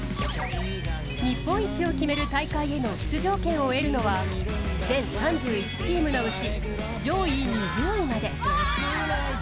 日本一を決める大会への出場権を得るのは全３１チームのうち上位２０位まで。